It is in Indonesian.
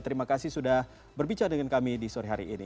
terima kasih sudah berbicara dengan kami di sore hari ini